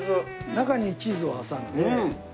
中にチーズを挟んで。